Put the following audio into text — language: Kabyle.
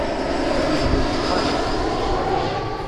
Yegdel dexxan!